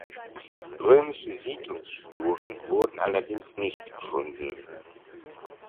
Römische Siedlungsspuren wurden allerdings nicht gefunden.